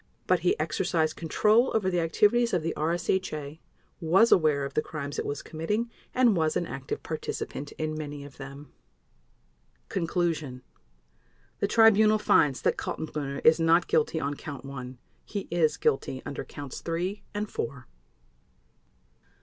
But he exercised control over the activities of the RSHA, was aware of the crimes it was committing, and was an active participant in many of them. Conclusion. The Tribunal finds that Kaltenbrunner is not guilty on Count One. He is guilty under Counts Three and Four.